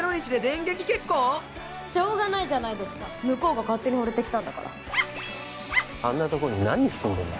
しょうがないじゃないですか向こうが勝手にほれてきたんだからあんなとこに何人住んでんだ？